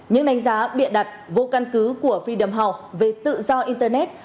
những đánh giá biện đặt vô căn cứ của freedom house về tự do internet